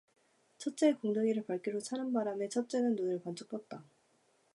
첫째의 궁둥이를 발길로 차는 바람에 첫째는 눈을 번쩍 떴다.